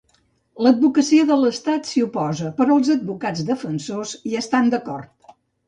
L'Advocacia de l'Estat s'hi oposa, però els advocats defensors hi estan d'acord.